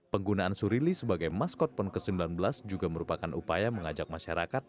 penggunaan surili sebagai maskot pon ke sembilan belas juga merupakan upaya mengajak masyarakat